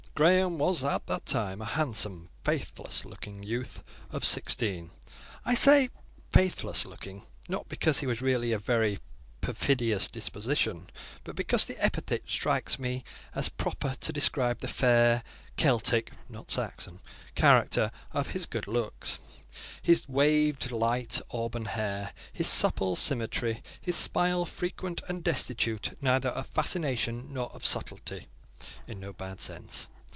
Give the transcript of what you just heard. Graham was at that time a handsome, faithless looking youth of sixteen. I say faithless looking, not because he was really of a very perfidious disposition, but because the epithet strikes me as proper to describe the fair, Celtic (not Saxon) character of his good looks; his waved light auburn hair, his supple symmetry, his smile frequent, and destitute neither of fascination nor of subtlety (in no bad sense).